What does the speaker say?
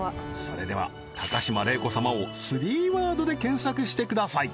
それでは高島礼子様を３ワードで検索してください